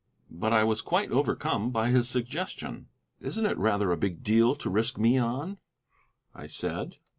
But I was quite overcome at his suggestion. "Isn't it rather a big deal to risk me on?" I said.